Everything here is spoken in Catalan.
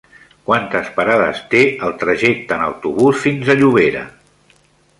Quantes parades té el trajecte en autobús fins a Llobera?